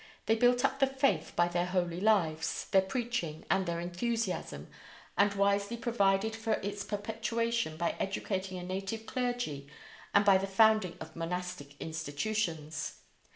They built up the faith by their holy lives, their preaching, and their enthusiasm, and wisely provided for its perpetuation by educating a native clergy and by the founding of monastic institutions.